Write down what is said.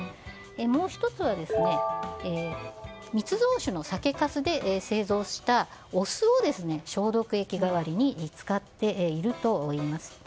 もう１つは密造酒の酒かすで製造したお酢を消毒液代わりに使っているといいます。